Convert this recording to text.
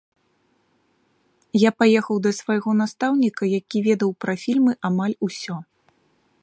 Я паехаў да свайго настаўніка, які ведаў пра фільмы амаль усё.